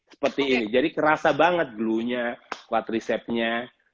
seperti ini jadi kerasa banget gluenya quadriceps nya